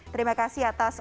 terima kasih atas